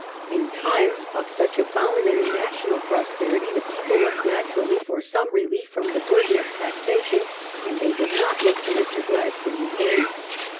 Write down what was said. In times of such abounding national pros perity the people looked naturally for some relief from the burden of taxation ; and they did not look to Mr. Gladstone in vain.